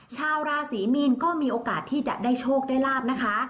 ชาวราศรีมีนก็มีโอกาสที่จะได้โชคได้ลาบนะคะ